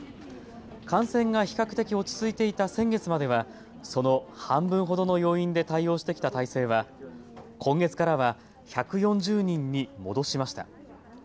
感染が比較的落ち着いていた先月まではその半分ほどの要員で対応してきた体制は今月からは１４０人に戻しました。